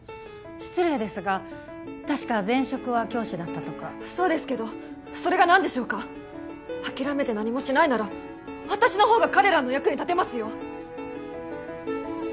失礼ですが確か前職は教師だったとかそうですけどそれが何でしょうか諦めて何もしないなら私のほうが彼らの役に立てますよ１００８